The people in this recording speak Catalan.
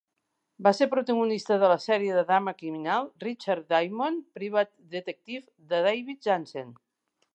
Va ser protagonista de la sèrie de drama criminal "Richard Diamond, Private Detective" de David Janssen.